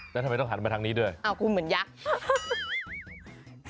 แล้วทำไมต้องหันมาทางนี้ด้วยอ้าวคุณเหมือนยักษ์